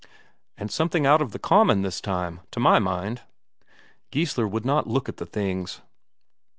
"And something out of the common, this time, to my mind," said Brede. Geissler would not look at the things.